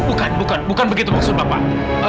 bukan bukan begitu maksud bapak